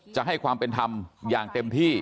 จะให้ความเป็นธรรมอย่างเต็มที่